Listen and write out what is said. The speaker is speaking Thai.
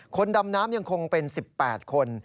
คนดำน้ำยังคงเป็น๑๘คน